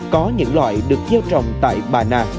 có những loại được gieo trồng tại bà nà